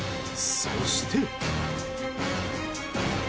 そして。